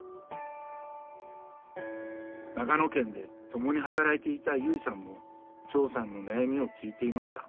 長野県で共に働いていた由井さんも長さんの悩みを聞いていました。